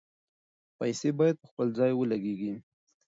پیسې باید په خپل ځای ولګیږي.